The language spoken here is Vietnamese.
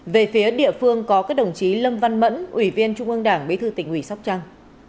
về phía địa phương có các đồng chí lâm văn mẫn ủy viên trung ương đảng bí thư tỉnh ủy sóc trăng